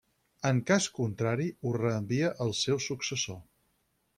En cas contrari ho reenvia al seu successor.